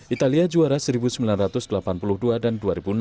italia juara seribu sembilan ratus delapan puluh dua dan dua ribu enam belas